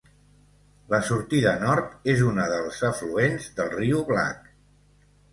La sortida nord és una dels afluents del riu Black.